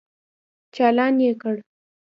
چالان يې کړ.